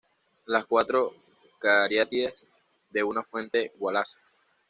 Las cuatro cariátides de una fuente Wallace